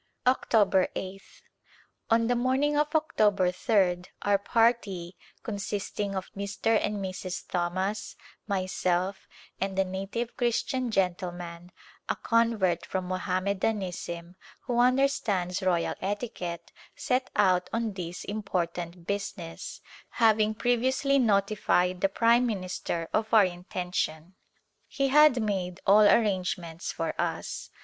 October 8th, On the morning of October 3d our party, con sisting of Mr. and Mrs. Thomas, myself, and a native Christian gentleman, a convert from Mohammedanism, who understands royal etiquette, set out on this impor tant business, having previously notified the prime min ister of our intention. He had made all arrangements for us.